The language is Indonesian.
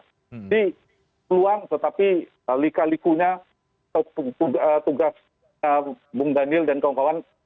jadi peluang tetapi lika likunya tugas bung daniel dan kawan kawan